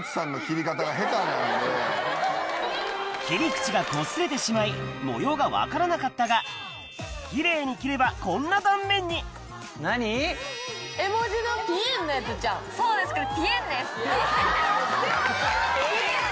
切り口がこすれてしまい模様が分からなかったがキレイに切ればこんな断面にそうです。